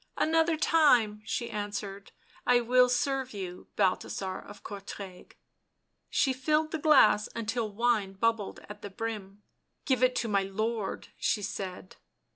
" Another time," she answered, " I will serve you, Balthasar of Courtrai." She filled the glass until wine bubbled at the brim. " Give it to my lord," she said.